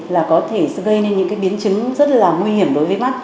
là có thể gây nên những cái biến chứng rất là nguy hiểm đối với mắt